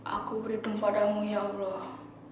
aku berhitung padamu ya allah